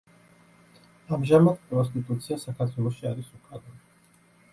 ამჟამად პროსტიტუცია საქართველოში არის უკანონო.